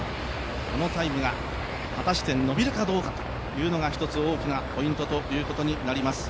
このタイムが果たして伸びるかどうかというのが１つ大きなポイントということになります。